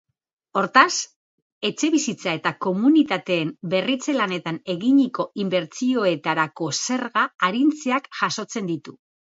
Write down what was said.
Hortaz, etxebizitza eta komunitateen berritze lanetan eginiko inbertsioetarako zerga arintzeak jasotzen ditu.